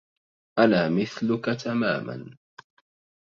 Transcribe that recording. أنا مثلك تماما.